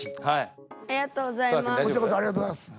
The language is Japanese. ありがとうございます。